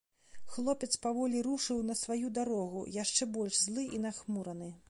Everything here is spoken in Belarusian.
Хлопец паволі рушыў на сваю дарогу, яшчэ больш злы і нахмураны.